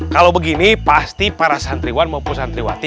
kalau begini pasti para santriwan maupun santriwati